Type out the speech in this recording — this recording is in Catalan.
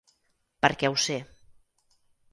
Perquè ho sé.